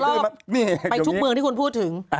คนจะเดินทางรถไปทุกเมืองที่คุณพูดถึง